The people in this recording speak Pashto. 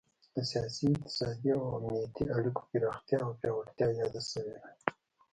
د سیاسي، اقتصادي او امنیتي اړیکو پراختیا او پیاوړتیا یاده شوې ده